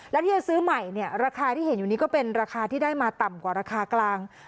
และที่จะซื้อใหม่เนี่ยราคาที่เห็นอยู่นี้ก็เป็นราคาที่ได้มาต่ำกว่าราคากลาง